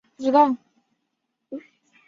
科尔内利乌斯家族的成员。